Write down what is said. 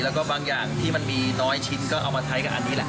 แล้วก็บางอย่างที่มันมีน้อยชิ้นก็เอามาใช้กับอันนี้แหละ